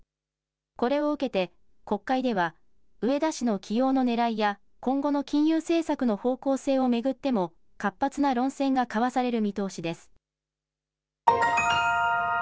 これを受けて国会では植田氏の起用のねらいや今後の金融政策の方向性を巡っても活発な論戦が交わされる見通しです。